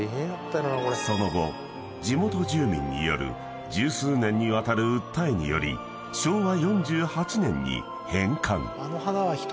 ［その後地元住民による十数年にわたる訴えにより昭和４８年に返還］